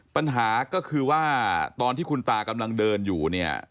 ปัญหาก็คือว่าตอนที่คุณตากำลังเดินอยู่เนี่ย